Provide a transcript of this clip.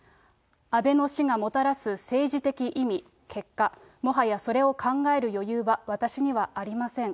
安倍の死がもたらす政治的意味、結果、もはやそれを考える余裕は、私にはありません。